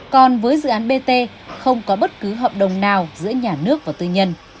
còn với dự án bt không có bất cứ hợp đồng nào giữa nhà nước và tư nhân